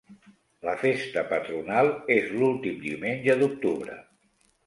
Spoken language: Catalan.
La festa patronal és l'últim diumenge d'octubre.